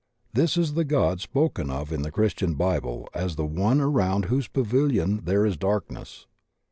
This is the God spoken of in the Christian Bible as the one around whose pavilion there is darkness.